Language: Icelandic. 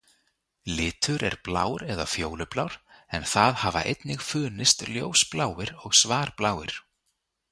Litur er blár eða fjólublár en það hafa einnig funist ljósbláir og svarbláir.